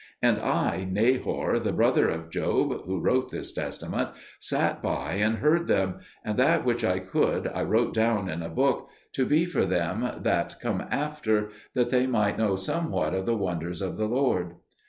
And I, Nahor, the brother of Job, who wrote this testament, sat by and heard them; and that which I could I wrote down in a book, to be for them that come after, that they might know somewhat of the wonders of the Lord.